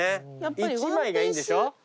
一枚がいいんでしょ？